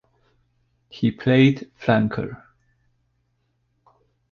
He played flanker.